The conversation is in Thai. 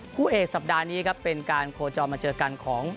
คู่เอกสัปดาห์นี้ครับเป็นการโคจรมาเจอกันของ